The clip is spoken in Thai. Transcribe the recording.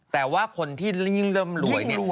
แต่ว่าคนที่ยิ่งรวย